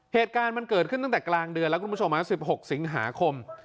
เหตุการณ์มันเกิดขึ้นตั้งแต่กลางเดือนแล้วคุณผู้ชม๑๖สิงหาคม